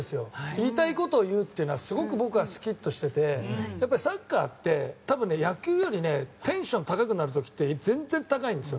言いたいことを言うってすごく、僕は好きとしていてサッカーって多分、野球よりテンション高くなる時って全然高いんですよ。